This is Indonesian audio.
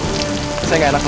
saya nggak enak sama buatnya